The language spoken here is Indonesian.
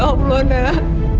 ya allah nak